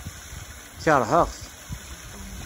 Keṛheɣ-t.